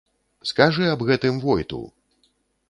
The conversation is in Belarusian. Скажы аб гэтым войту!